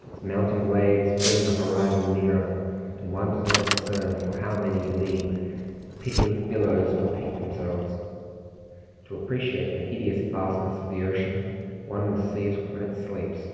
Its mounting waves bring the horizon nearer, and one does not discern how for many leagues the pitiless billows repeat themselves. To appreciate the hideous vastness of the ocean one must see it when it sleeps.